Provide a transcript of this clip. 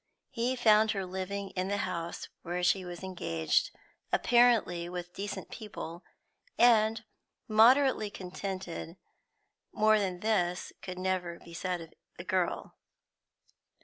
He found her living in the house where she was engaged, apparently with decent people, and moderately contented; more than this could never be said of the girl.